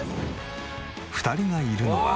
２人がいるのは。